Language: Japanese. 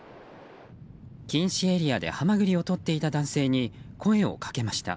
禁止エリアでハマグリをとっていた男性に声をかけました。